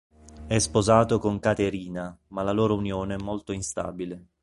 È sposato con Caterina, ma la loro unione è molto instabile.